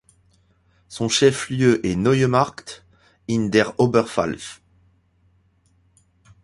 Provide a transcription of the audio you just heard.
Son chef lieu est Neumarkt in der Oberpfalz.